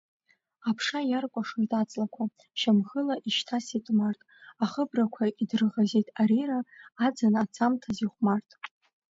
Аԥша иаркәашоит аҵлақәа, шьамхыла ишьҭасит март, ахыбрақәа идырӷызит арира, аӡын ацамҭаз ихәмарт.